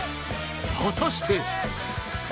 果たして。